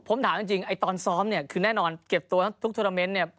ผมถามจริงไอ้ตอนซ้อมเนี่ยคือแน่นอนเก็บตัวทุกโทรเมนต์เนี่ย